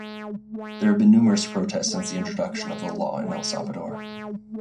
There have been numerous protests since the introduction of the law in El Salvador.